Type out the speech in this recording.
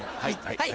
はい。